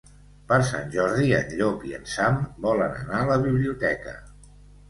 Per Sant Jordi en Llop i en Sam volen anar a la biblioteca.